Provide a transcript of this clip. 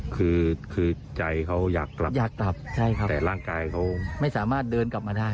คือคือใจเขาอยากกลับอยากกลับใช่ครับแต่ร่างกายเขาไม่สามารถเดินกลับมาได้